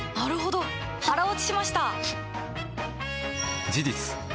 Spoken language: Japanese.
腹落ちしました！